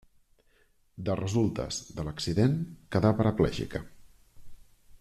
De resultes de l'accident quedà paraplègica.